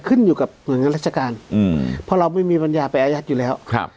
ขึ้นอยู่กับหน่วยงานราชการอืมเพราะเราไม่มีปัญญาไปอายัดอยู่แล้วครับ